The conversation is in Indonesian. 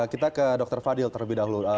kita ke dr fadil terlebih dahulu